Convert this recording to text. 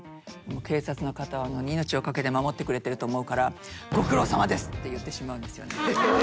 警察の方は命を懸けて守ってくれてると思うから「ご苦労さまです！」って言ってしまうんですよね。